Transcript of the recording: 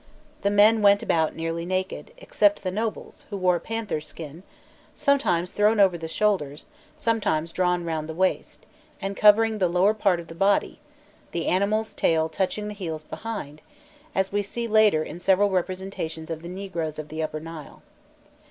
The men went about nearly naked, except the nobles, who wore a panther's skin, sometimes thrown over the shoulders, sometimes drawn round the waist, and covering the lower part of the body, the animal's tail touching the heels behind, as we see later in several representations of the negroes of the Upper Nile.